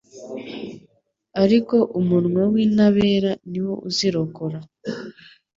ariko umunwa w’intabera ni wo uzirokora